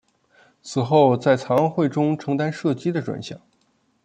此后在残奥会中承担射击的专项。